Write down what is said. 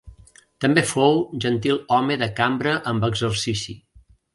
També fou gentilhome de Cambra amb Exercici.